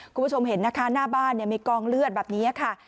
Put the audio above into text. คุณผู้ชมเห็นนะคะหน้าบ้านมีกองเลือดแบบนี้ค่ะ